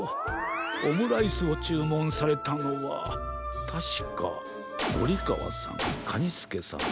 オムライスをちゅうもんされたのはたしかゴリかわさんカニスケさん